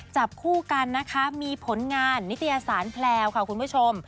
จับคู่กันนะคะมีผลงานนิตยสารแพลวค่ะคุณผู้ชม